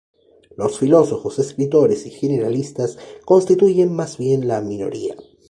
Los filósofos, escritores y generalistas constituyen más bien la minoría.